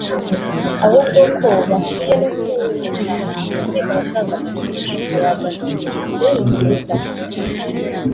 ahubwo ko bakwiye no kureka kubika amafaranga mu rugo bakayazana kuyabika muri Sacco